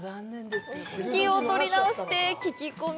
気を取り直して聞き込み。